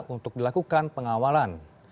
untuk dilakukan pengawalan